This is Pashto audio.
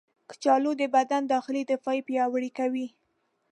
کچالو د بدن داخلي دفاع پیاوړې کوي.